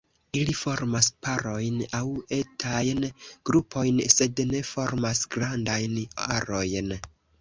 Ili formas parojn aŭ etajn grupojn, sed ne formas grandajn arojn.